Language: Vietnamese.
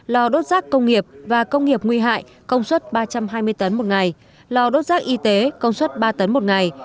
lò đốt rác công nghiệp và công nghiệp nguy hại công suất ba trăm hai mươi tấn một ngày lò đốt rác y tế công suất ba tấn một ngày